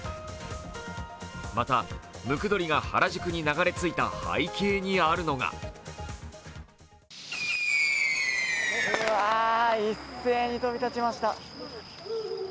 またムクドリが原宿に流れ着いた背景にあるのが一斉に飛び立ちました。